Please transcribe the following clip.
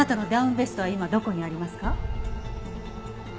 ベストは今どこにありますか？